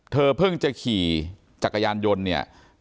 เธอเพิ่งจะขี่จักรยานยนต์เนี่ย